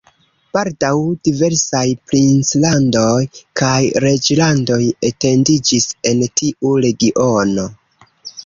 Baldaŭ diversaj princlandoj kaj reĝlandoj etendiĝis en tiu regiono.